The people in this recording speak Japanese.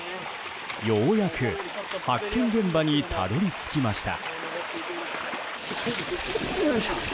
ようやく発見現場にたどり着きました。